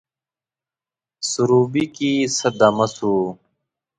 سروبي کښي څه دمه سوو